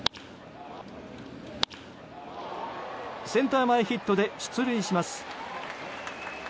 センター前ヒットで出塁します。